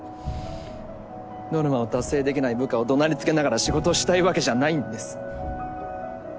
ノルマを達成できない部下をどなりつけながら仕事したいわけじゃないんです。